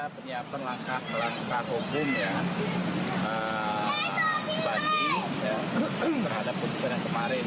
penyiapan langkah langkah hukum ya banding berhadap putusan yang kemarin